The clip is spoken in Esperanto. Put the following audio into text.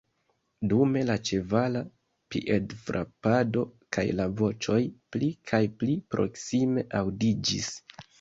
Dume la ĉevala piedfrapado kaj la voĉoj pli kaj pli proksime aŭdiĝis.